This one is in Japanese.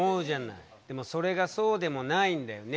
でもそれがそうでもないんだよね。